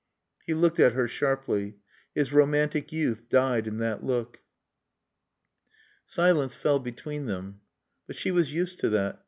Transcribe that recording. He looked at her sharply. His romantic youth died in that look. Silence fell between them. But she was used to that.